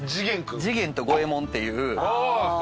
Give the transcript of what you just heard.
次元と五右衛門っていう。